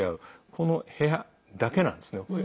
この部屋だけなんですね、これ。